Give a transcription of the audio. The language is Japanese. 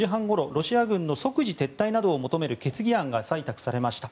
ロシア軍の即時撤退などを求める決議案が採択されました。